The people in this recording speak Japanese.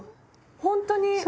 ほんとに！